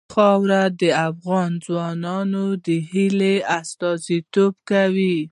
خاوره د افغان ځوانانو د هیلو استازیتوب کوي.